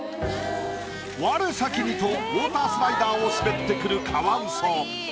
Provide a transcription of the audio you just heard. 我先にとウオータースライダーを滑ってくるカワウソ。